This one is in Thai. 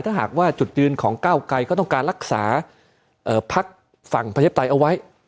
ถ้าหากว่าจุดยืนของก้าวไกรก็ต้องการรักษาพักฝั่งประชาธิปไตยเอาไว้